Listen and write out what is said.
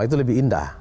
itu lebih indah